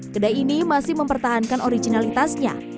kedai ini masih mempertahankan originalitasnya